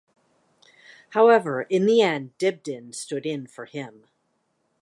However, in the end, Dibdin stood in for him.